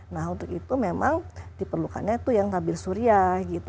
nah untuk itu memang diperlukannya yang tampil surya gitu